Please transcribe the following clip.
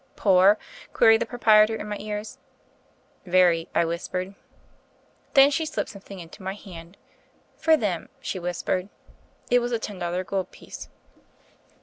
"Poor?" queried the proprietor in my ears. "Very," I whispered. Then she slipped something into my hand. 'Tor them," she whispered. It was a ten dollar gold piece.